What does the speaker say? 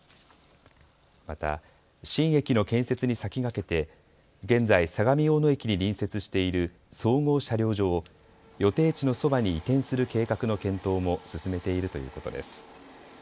また新駅の建設に先駆けて現在、相模大野駅に隣接している総合車両所を予定地のそばに移転する計画の検討も進めているということです。